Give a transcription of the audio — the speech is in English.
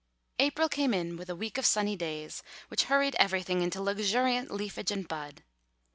April came in with a week of sunny days which hurried everything into luxuriant leafage and bud.